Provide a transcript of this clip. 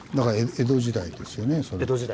江戸時代ですね。